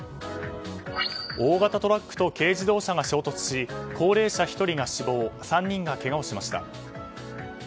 大型トラックと軽自動車が衝突し高齢者１人が死亡３人がけがをしました。